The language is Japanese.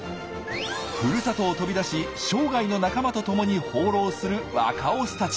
ふるさとを飛び出し生涯の仲間と共に放浪する若オスたち。